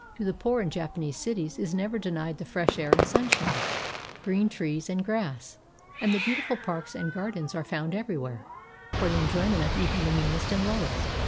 To the 403 JAPAN poor in Japanese cities is never denied the fresh air and sunshine, green trees and grass; and the beautiful parks and gardens are found everywhere, for the enjoyment of even the meanest and lowest.